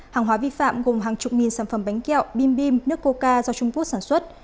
hàng hóa vi phạm gồm hàng chục nghìn sản phẩm bánh kẹo bim bim nước cô ca do trung quốc sản xuất